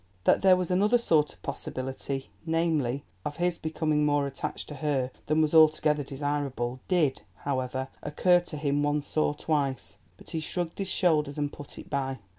That there was another sort of possibility—namely, of his becoming more attached to her than was altogether desirable—did, however, occur to him once or twice. But he shrugged his shoulders and put it by.